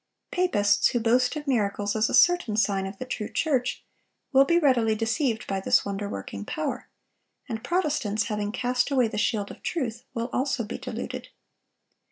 Papists, who boast of miracles as a certain sign of the true church, will be readily deceived by this wonder working power; and Protestants, having cast away the shield of truth, will also be deluded.